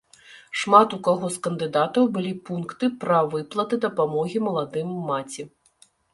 Шмат у каго з кандыдатаў былі пункты пра выплаты дапамогі маладым маці.